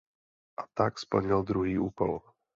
A tak splnil druhý úkol.